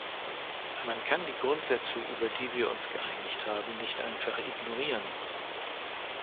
Man kann die Grundsätze, über die wir uns geeinigt haben, nicht einfach ignorieren.